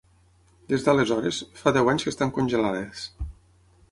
Des d’aleshores, fa deu anys que estan congelades.